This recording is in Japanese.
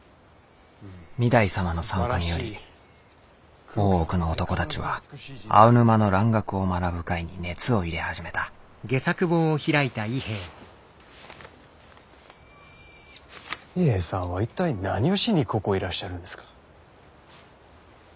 御台様の参加により大奥の男たちは青沼の蘭学を学ぶ会に熱を入れ始めた伊兵衛さんは一体何をしにここへいらっしゃるんですか？